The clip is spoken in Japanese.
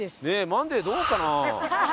『マンデー』どうかな？